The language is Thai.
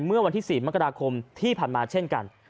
เมื่อวันที่๔มกราคมที่ผ่านมาเช่นกัน